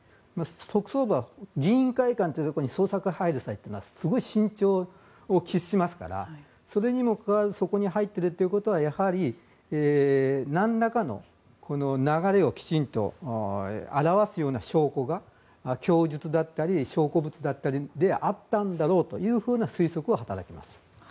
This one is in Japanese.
特捜部は議員会館というところに捜索に入る際はすごい慎重を期しますからそれにもかかわらずそこに入るということはやはり、何らかの流れをきちんと表すような証拠が、供述だったり証拠物だったりであったんだろうという推測は働きます。